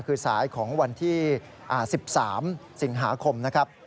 คือสายของวันที่๑๓สิงหาคมนะครับ